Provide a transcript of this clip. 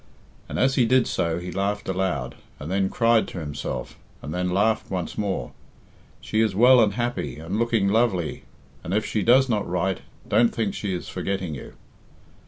And as he did so he laughed aloud, and then cried to himself, and then laughed once more. "She is well and happy, and looking lovely, and, if she does not write, don't think she is forgetting you."